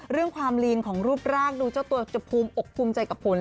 เรื่องความลีนของรูปร่างดูเจ้าตัวจะภูมิอกภูมิใจกับผล